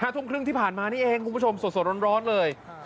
ทุ่มครึ่งที่ผ่านมานี่เองคุณผู้ชมสดร้อนเลย